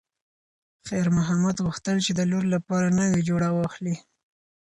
خیر محمد غوښتل چې د لور لپاره نوې جوړه واخلي.